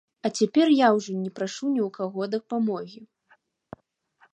А цяпер я ўжо не прашу ні ў каго дапамогі.